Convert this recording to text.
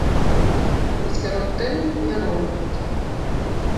І сярод тэм няроўнасць.